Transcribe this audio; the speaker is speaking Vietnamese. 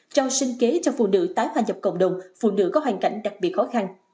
cho sinh kế cho phụ nữ tái hoa nhập cộng đồng phụ nữ có hoàn cảnh đặc biệt khó khăn